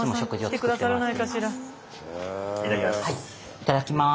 いただきます。